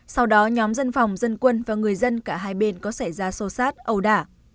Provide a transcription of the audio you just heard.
sau đó nhóm dân phòng dân quân và người dân cả hai bên có xảy ra sâu sát ẩu đả